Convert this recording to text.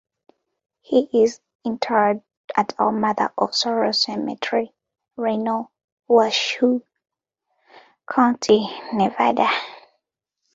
He is interred at Our Mother of Sorrows Cemetery, Reno, Washoe County, Nevada.